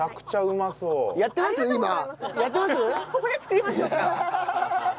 ここで作りましょうか。